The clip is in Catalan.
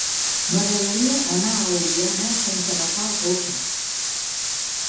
M'agradaria anar a Oliana sense agafar el cotxe.